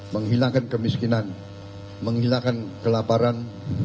menghilangkan kemiskinan menghilangkan kelaparan